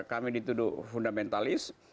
kami dituduh fundamentalis